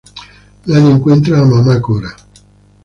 Nadie encuentra a Mamá Cora.